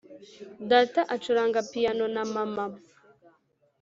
data acuranga piyano na mama.